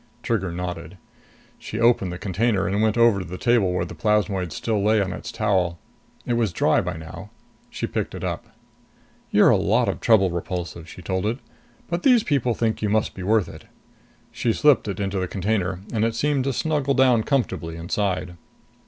Trigger nodded. She opened the container and went over to the table where the plasmoid still lay on its towel. It was dry by now. She picked it up. "You're a lot of trouble, Repulsive!" she told it. "But these people think you must be worth it." She slipped it into the container, and it seemed to snuggle down comfortably inside.